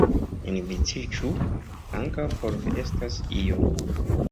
Enviciĝu, ankaŭ por Vi estas io.